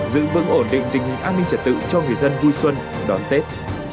giữ vững ổn định tình hình an ninh trật tự cho người dân vui xuân đón tết